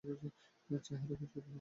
চেহারায় কী চোদনা লেখা?